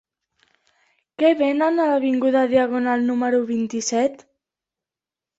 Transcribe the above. Què venen a l'avinguda Diagonal número vint-i-set?